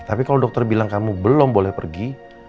tapi kalau dokter bilang kamu belum boleh pergi